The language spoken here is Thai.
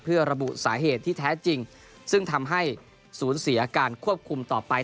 เพื่อระบุสาเหตุที่แท้จริงซึ่งทำให้สูญเสียการควบคุมต่อไป